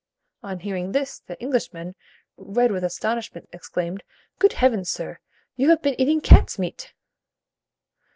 On hearing this, the Englishman, red with astonishment, exclaimed, 'Good heavens, sir! you have been eating cat's meat.'"